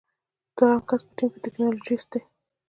دوهم کس په ټیم کې ټیکنالوژیست دی.